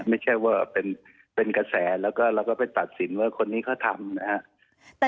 ไม่ใช่ว่าเป็นกระแสแล้วก็เราก็ไปตัดสินว่าคนนี้เขาทำนะครับ